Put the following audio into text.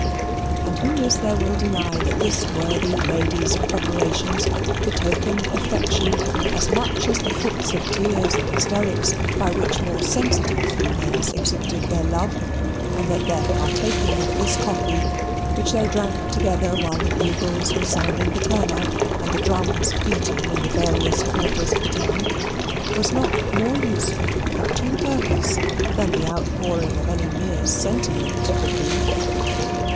And who is there will deny that this worthy lady's preparations betokened affection as much as the fits of tears and hysterics by which more sensitive females exhibited their love, and that their partaking of this coffee, which they drank together while the bugles were sounding the turn out and the drums beating in the various quarters of the town, was not more useful and to the purpose than the outpouring of any mere sentiment could be?